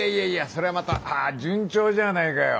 そりゃまた順調じゃねえかよ。